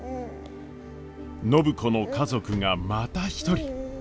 暢子の家族がまた１人！